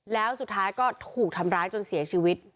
แล้วสุดท้ายก็ถูกทำร้ายจนเสียชีวิต